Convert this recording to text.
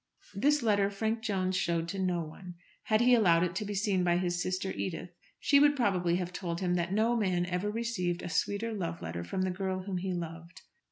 This letter Frank Jones showed to no one. Had he allowed it to be seen by his sister Edith, she would probably have told him that no man ever received a sweeter love letter from the girl whom he loved.